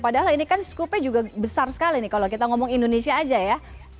padahal ini kan skupnya juga besar sekali nih kalau kita ngomong indonesia aja ya